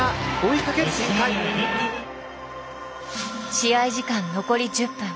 試合時間残り１０分。